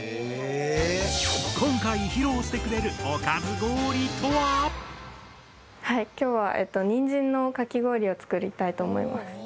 前に働いてたはい今日は「にんじんのかき氷」を作りたいと思います。